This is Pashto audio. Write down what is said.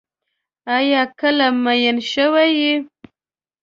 آیا کله مئین شوی یې؟